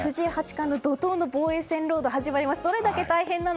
藤井八冠の怒涛の防衛ロードが始まります。